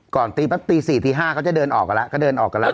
ก่อนตีปั๊บตีสี่ตีห้าเขาจะเดินออกกันแล้วก็เดินออกกันแล้ว